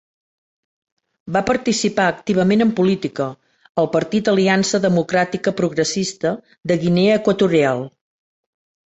Va participar activament en política, al partit Aliança Democràtica Progressista de Guinea Equatorial.